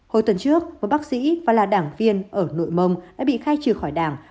hồi tuần trước một bác sĩ và là đảng viên ở nội mông đã bị khai trừ khỏi đảng